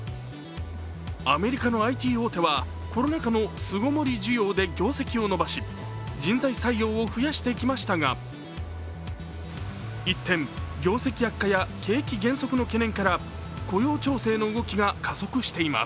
アメリカのＩＴ大手はコロナ禍の巣ごもり需要で業績を伸ばし人材採用を増やしてきましたが一転、業績悪化や景気減速の懸念から雇用調整の動きが加速しています。